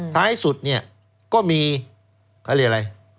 ท้ายสุดก็มีเขาเรียกอะไร